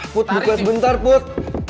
put buka sebentar put